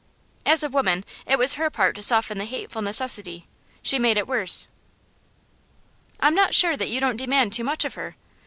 'As a woman, it was her part to soften the hateful necessity; she made it worse.' 'I'm not sure that you don't demand too much of her.